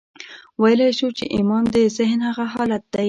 ويلای شو چې ايمان د ذهن هغه حالت دی.